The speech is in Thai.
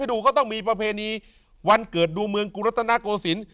ดูก็ต้องมีประเพณีวันเกิดดูเมืองกรุงรัตนโกศิลป์